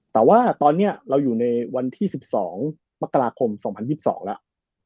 แต่ว่าตอนนี้เราอยู่ในวันที่๑๒มกราคม๒๐๒๒แล้ว